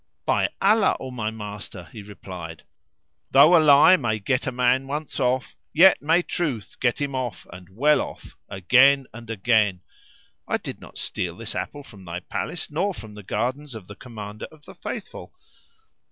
"By Allah, O my master," he replied, "though a lie may get a man once off, yet may truth get him off, and well off, again and again. I did not steal this apple from thy palace nor from the gardens of the Commander of the Faithful.